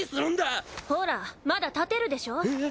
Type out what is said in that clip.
ほらまだ立てるでしょ。